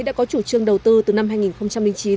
đã có chủ trương đầu tư từ năm hai nghìn chín